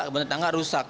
kebun tetangga rusak